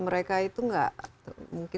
mereka itu tidak